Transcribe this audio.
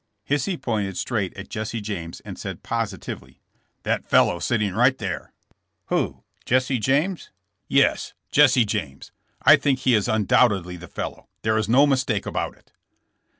Hisey pointed straight at Jesse James and said positively : *'That fellow sitting right there." Who, Jesse James?" 162 JESSB JAMKS. *'Yes; Jesse James. I think he is undoubtedly the fellow ; there is no mistake about it.